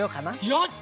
やった！